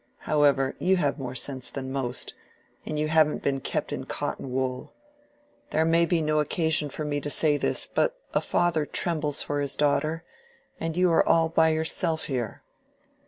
However, you have more sense than most, and you haven't been kept in cotton wool: there may be no occasion for me to say this, but a father trembles for his daughter, and you are all by yourself here."